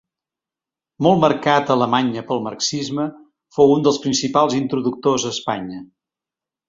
Molt marcat a Alemanya pel marxisme, fou un dels principals introductors a Espanya.